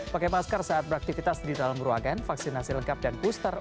pakai masker saat beraktivitas di dalam ruangan vaksinasi lengkap dan booster